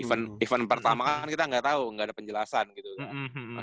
event pertama kan kita gak tau gak ada penjelasan gitu kan